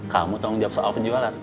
kamu tanggung jawab soal penjualan